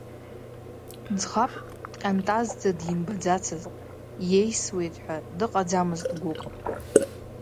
Ӡӷабк дҟьантазӡа димбаӡацызт, иеисуеит ҳәа дыҟаӡамызт гәык!